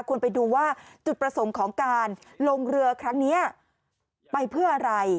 ไปดูว่าจุดประสงค์ของการลงเรือครั้งนี้ไปเพื่ออะไร